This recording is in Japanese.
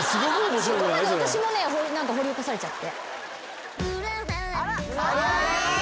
そこまで私もね何か掘り起こされちゃって。